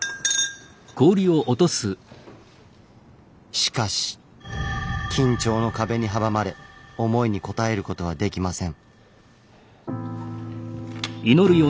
しかし緊張の壁に阻まれ思いに応えることはできません。